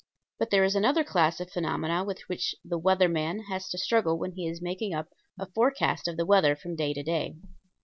But there is another class of phenomena with which the "weather man" has to struggle when he is making up a forecast of the weather from day to day.